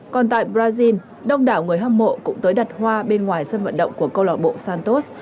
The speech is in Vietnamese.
còn tại brazil đông đảo người hâm mộ cũng tới đặt hoa bên ngoài sân vận động của câu lạc bộ santos